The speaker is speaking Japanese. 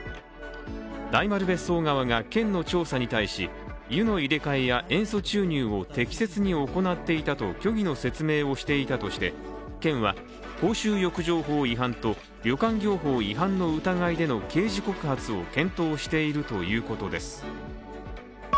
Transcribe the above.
大丸別荘側が、県の調査に対し湯の入れ替えや塩素注入を適切に行っていたと虚偽の説明をしていたとして県は公衆浴場法違反と旅館業法違反の疑いでの刑事告発を検討しているということです。